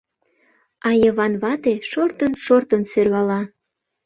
А Йыван вате шортын-шортын сӧрвала.